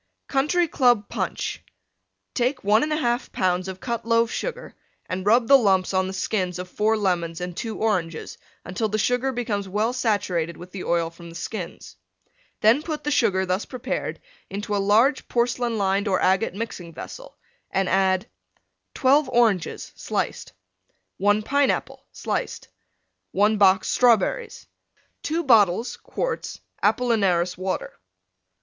COUNTRY CLUB PUNCH Take 1 1/2 lbs. of Cut Loaf Sugar and rub the lumps on the skins of 4 Lemons and 2 Oranges until the Sugar becomes well saturated with the oil from the skins. Then put the Sugar thus prepared into a large porcelain lined or agate Mixing vessel, and add: 12 Oranges, sliced. 1 Pineapple, sliced. 1 box Strawberries. 2 bottles (quarts) Apollinaris Water.